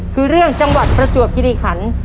คือเรื่องจังหวัดประจวบคิริขัน